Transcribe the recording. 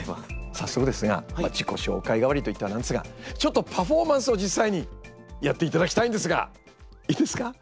早速ですが自己紹介代わりといっては何ですがちょっとパフォーマンスを実際にやっていただきたいんですがいいですか？